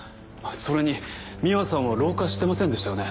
それに美羽さんは老化してませんでしたよね？